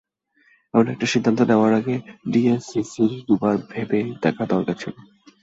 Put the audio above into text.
এমন একটি সিদ্ধান্ত নেওয়ার আগে ডিএসসিসির দুবার ভেবে দেখা দরকার ছিল।